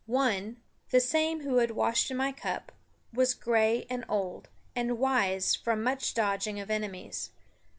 One, the same who had washed in my cup, was gray and old, and wise from much dodging of enemies.